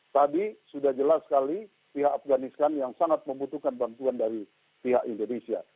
tadi sudah jelas sekali pihak afganistan yang sangat membutuhkan bantuan dari pihak indonesia